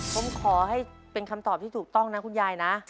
ผมขอให้เป็นคำตอบที่ถูกต้องนะคุณยายนะ